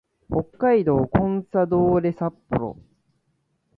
北海道コンサドーレ札幌